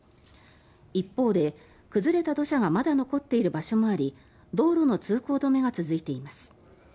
一方で崩れた土砂がまだ残っている場所もあり道路の通行止めが続いています。